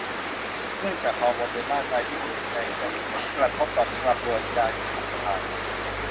เนื่องจากฮอร์โมนในร่างกายที่เปลี่ยนแปลงจะมีผลกระทบต่อกระบวนการขับถ่าย